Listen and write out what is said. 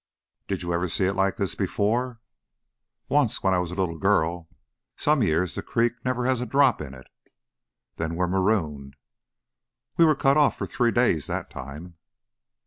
"Did you ever see it like this before?" "Once, when I was a little girl. Some years the creek never has a drop in it." "Then we're marooned." "We were cut off for three days that time."